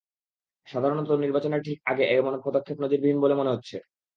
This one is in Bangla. সাধারণত, নির্বাচনের ঠিক আগে আগে এমন পদক্ষেপ নজিরবিহীন বলে মনে করা হচ্ছে।